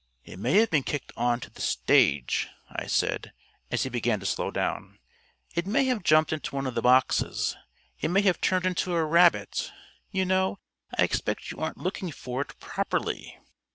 "It may have been kicked on to the stage," I said, as he began to slow down. "It may have jumped into one of the boxes. It may have turned into a rabbit. You know, I expect you aren't looking for it properly."